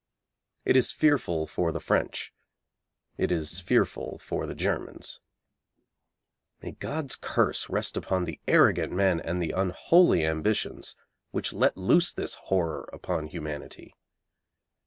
It is fearful for the French. It is fearful for the Germans. May God's curse rest upon the arrogant men and the unholy ambitions which let loose this horror upon humanity!